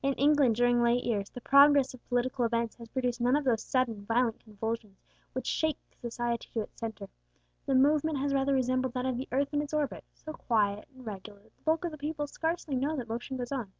In England, during late years, the progress of political events has produced none of those sudden, violent convulsions which shake society to its centre; the movement has rather resembled that of the earth in its orbit, so quiet and regular that the bulk of the people scarcely know that motion goes on.